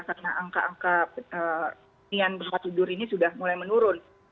karena angka angka penyian berhubungan tidur ini sudah mulai menurun